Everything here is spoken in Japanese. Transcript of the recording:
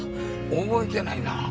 覚えてないな。